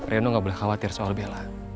reno nggak boleh khawatir soal bella